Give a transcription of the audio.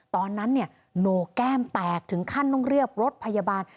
ตอนนั้นโนแก้มแตกถึงขั้นต้องเรียกรถพยาบาล